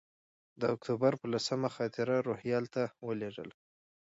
د اکتوبر پر لسمه خاطره روهیال ته ولېږله.